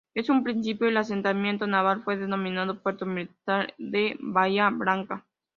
En un principio, el asentamiento naval fue denominado Puerto Militar de Bahía Blanca.